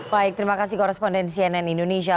baik terima kasih koresponden cnn indonesia